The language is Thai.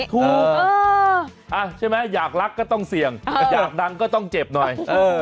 ถูกใช่ไหมอยากรักก็ต้องเสี่ยงอยากดังก็ต้องเจ็บหน่อย